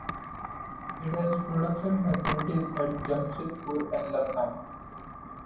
It has production facilities at Jamshedpur and Lucknow.